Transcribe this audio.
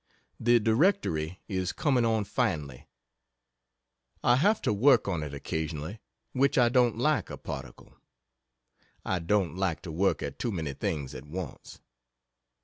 The Directory is coming on finely. I have to work on it occasionally, which I don't like a particle I don't like to work at too many things at once.